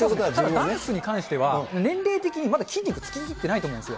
ダンスに関しては、年齢的にまだ筋肉つききってないと思うんですよ。